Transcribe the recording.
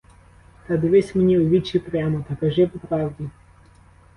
Та дивись мені у вічі прямо, та кажи по правді.